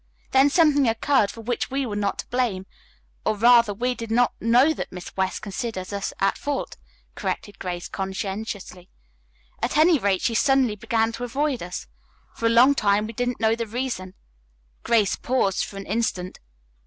Then something occurred for which we were not to blame, or rather, we did not know that Miss West considered us at fault," corrected Grace conscientiously. "At any rate, she suddenly began to avoid us. For a long time we didn't know the reason." Grace paused for an instant.